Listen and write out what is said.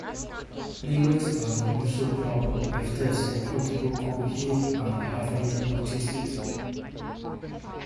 Lyrics are the usual problem-if there's a quotable quote here, I haven't noticed it.